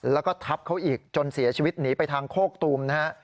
แล้วก็ทับเขาอีกจนเสียชีวิตหนีไปทางโคกตูมนะฮะ